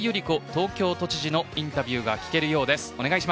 東京都知事のインタビューが聞けるようです。